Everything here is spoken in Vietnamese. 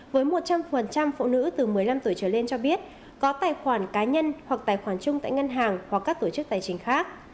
với một trăm linh phụ nữ từ một mươi năm tuổi trở lên cho biết có tài khoản cá nhân hoặc tài khoản chung tại ngân hàng hoặc các tổ chức tài chính khác